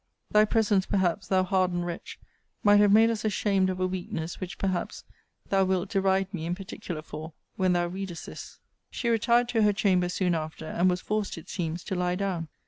Thy presence, perhaps, thou hardened wretch, might have made us ashamed of a weakness which perhaps thou wilt deride me in particular for, when thou readest this! She retired to her chamber soon after, and was forced, it seems, to lie down.